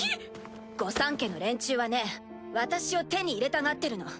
御三家の連中はね私を手に入れたがってるの。